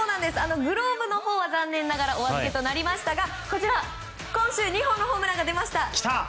グローブのほうは残念ながらお預けとなりましたが今週２本のホームランが出ました。